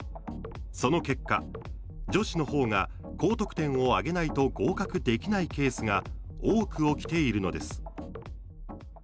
その結果、女子のほうが高得点を挙げないと合格できないケースが多く起きているのです。